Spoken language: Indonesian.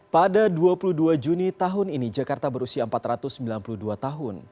pada dua puluh dua juni tahun ini jakarta berusia empat ratus sembilan puluh dua tahun